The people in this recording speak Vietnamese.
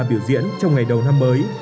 biểu diễn trong ngày đầu năm mới